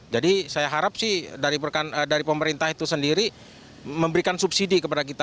jadi saya harap sih dari pemerintah itu sendiri memberikan subsidi kepada kita